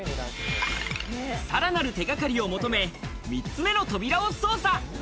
さらなる手がかりを求め、３つ目の扉を捜査。